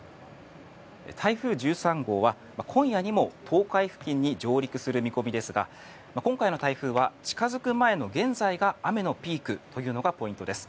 台風１３号は今夜にも東海付近に上陸する見込みですが今回の台風は近付く前の現在が雨のピークというのがポイントです。